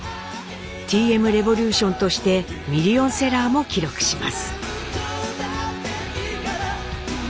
Ｔ．Ｍ．Ｒｅｖｏｌｕｔｉｏｎとしてミリオンセラーも記録します。